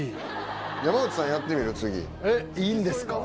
えっいいんですか？